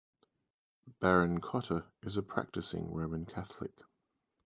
Baron Cotter is a practising Roman Catholic.